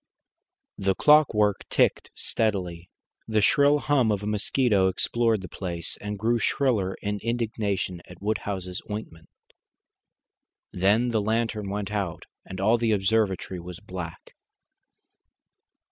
The clockwork ticked steadily. The shrill hum of a mosquito explored the place and grew shriller in indignation at Woodhouse's ointment. Then the lantern went out and all the observatory was black.